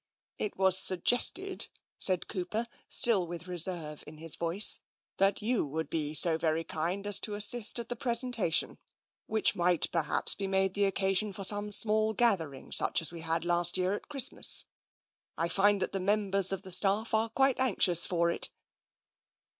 " It was suggested," said Cooper, still with reserve in his voice, " that you would be so very kind as to assist at the presentation, which might perhaps be made the occasion for some small gathering such as we had last year at Christmas. I find that the members of the staff are quite anxious for it."